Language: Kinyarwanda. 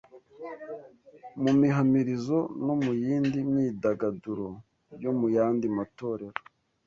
mu mihamirizo no mu yindi myidagaduro yo mu yandi matorero